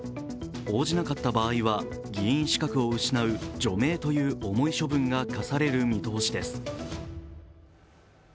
応じなかった場合は、議員資格を失う除名という重い処分が科される見通しです。